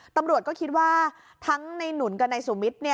ตำรวจก็คิดว่าทั้งในนุ่นกับในนายสูบมิด